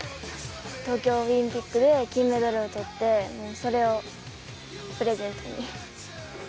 東京オリンピックで金メダルをとって、それをプレゼントに。